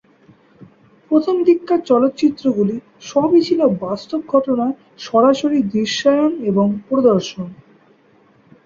প্রথম দিককার চলচ্চিত্রগুলো সবই ছিল বাস্তব ঘটনার সরাসরি দৃশ্যায়ন এবং প্রদর্শন।